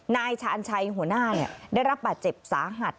นายชาญชัยหัวหน้าได้รับบาดเจ็บสาหัส